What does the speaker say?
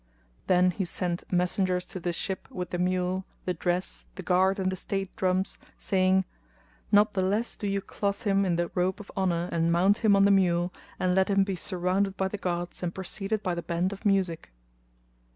Then he sent messengers to the ship with the mule, the dress, the guard and the state drums, saying, "Not the less do you clothe him in the robe of honour and mount him on the mule and let him be surrounded by the guards and preceded by the band of music."